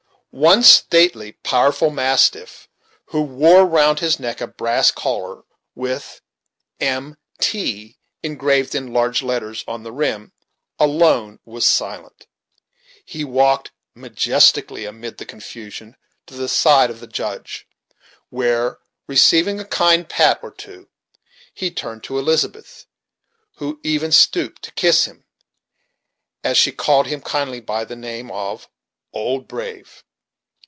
One stately, powerful mastiff, who wore round his neck a brass collar, with "M. T." engraved in large letters on the rim, alone was silent. He walked majestically, amid the confusion, to the side of the Judge, where, receiving a kind pat or two, he turned to Elizabeth, who even stooped to kiss him, as she called him kindly by the name of "Old Brave."